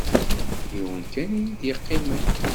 Yiwen kan i yi-d-yeqqimen.